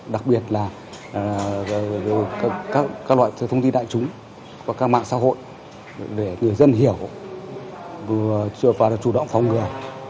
đặc biệt là các loại thông tin đại chúng và các mạng xã hội để người dân hiểu và chủ động phòng ngừa